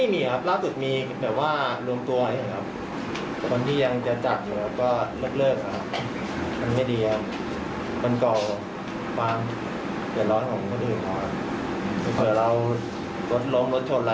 มันเก่าปังเดือดร้อนของคนอื่น